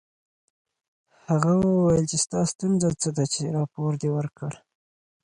هغه وویل چې ستا ستونزه څه ده چې راپور دې ورکړ